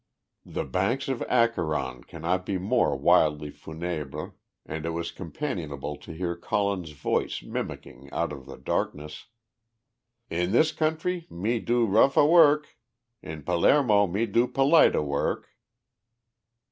The banks of Acheron can not be more wildly funèbre, and it was companionable to hear Colin's voice mimicking out of the darkness: "In this country me do rough a work. In Pal aer mo do polit a work!"